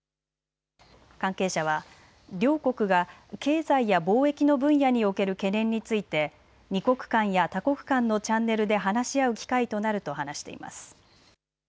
関係者は両国が経済や貿易の分野における懸念について２国間や多国間のチャンネルで話し合う機会となると話しています。